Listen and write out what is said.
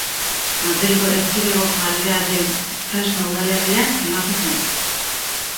Madrilgo Erkidegoko Aldea del Fresno udalerrian filmatu zen.